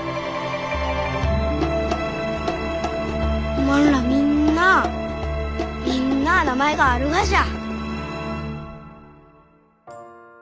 おまんらみんなあみんなあ名前があるがじゃ？